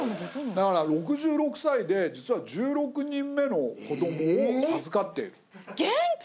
だから６６歳で実は１６人目の子供を授かっている。